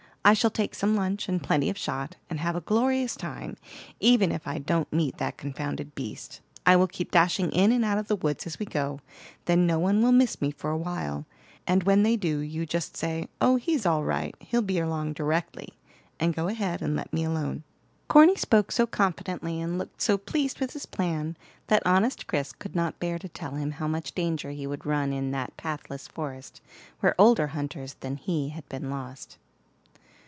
I shall take some lunch and plenty of shot, and have a glorious time, even if I don't meet that confounded beast. I will keep dashing in and out of the woods as we go; then no one will miss me for a while, and when they do you just say, 'Oh, he's all right; he'll be along directly,' and go ahead, and let me alone." Corny spoke so confidently, and looked so pleased with his plan, that honest Chris could not bear to tell him how much danger he would run in that pathless forest, where older hunters than he had been lost.